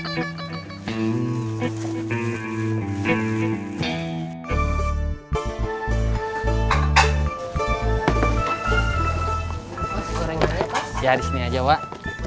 siar di sini aja wak